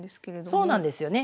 そうなんですよね。